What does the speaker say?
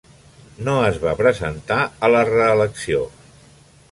No es va presentar a la reelecció.